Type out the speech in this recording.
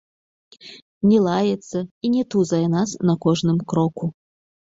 Не лаецца і не тузае нас на кожным кроку.